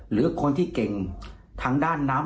หรือคนที่เก่งทางด้านน้ำ